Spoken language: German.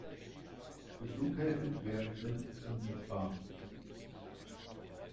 Für Flughäfen werden von der Fa.